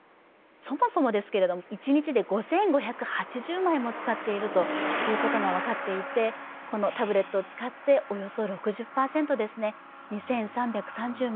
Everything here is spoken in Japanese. そもそもですけれども１日で５，５８０枚も使っているということが分かっていてこのタブレットを使っておよそ６０％ですね２，３３０枚。